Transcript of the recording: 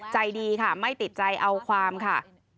ใจดีค่ะไม่ติดใจเอาความค่ะ